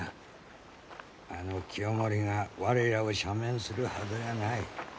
あの清盛が我らを赦免するはずがない。